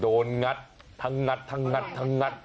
งัดทั้งงัดทั้งงัดทั้งงัด